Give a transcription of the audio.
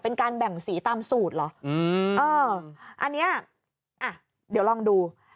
เป็นการแบ่งสีตามสูตรเหรออันนี้เดี๋ยวลองดู